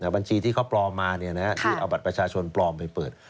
บัญชีที่เขาปลอมมาที่เอาบัตรประชาชนปลอมไปเปิด